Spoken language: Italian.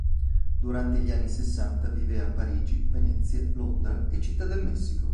Durante gli anni sessanta vive a Parigi, Venezia, Londra e Città del Messico.